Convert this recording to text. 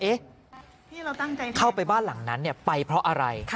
เอ๊ะเข้าไปบ้านหลังนั้นเนี่ยไปเพราะอะไร